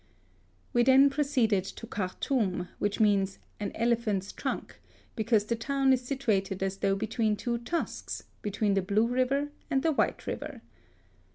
We then proceeded to Khartoum, which means "an elephant's trunk," because the town is situated as though between two tusks, between the Blue Eiver and the White River.